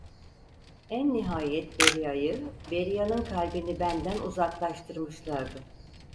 En nihayet Beria’yı, Beria'nın kalbini benden uzaklaştırmışlardı.